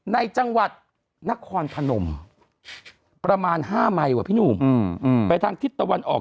ในจังหวัดนครพนมประมาณ๕ไมค์ว่ะพี่หนุ่มไปทางทิศตะวันออก